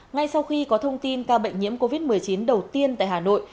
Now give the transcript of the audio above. ngay sau khi có thông tin ca bệnh nhiễm covid một mươi chín đầu tiên tại hà nội